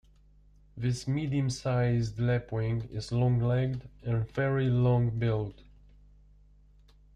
This medium-sized lapwing is long-legged and fairly long-billed.